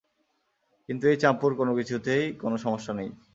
কিন্তু এই চাম্পুর কোনোকিছুতেই কোনো সমস্যাই নেই।